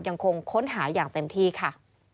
ยังคงค้นหาอย่างเต็มที่ค่ะ